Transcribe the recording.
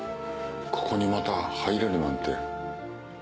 ここにまた入れるなんて。